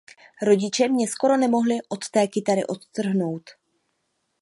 Rodiče mě skoro nemohli od té kytary odtrhnout.